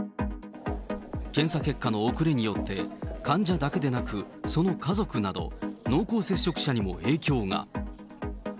検査結果の遅れによって、患者だけでなくその家族など、濃厚接触者にも影響が。